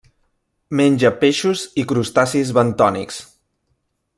Menja peixos i crustacis bentònics.